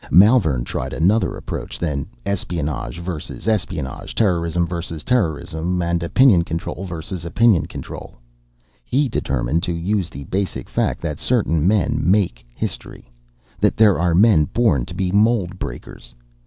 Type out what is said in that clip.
"Malvern tried another approach than espionage versus espionage, terrorism versus terrorism and opinion control versus opinion control. He determined to use the basic fact that certain men make history: that there are men born to be mould breakers.